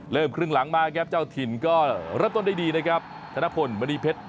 เริ่มครึ่งหลังมาแล้วเจ้าถิ่นก็รับต้นดีนะทะพลเมษีบริพุธ